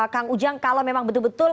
kang ujang kalau memang betul betul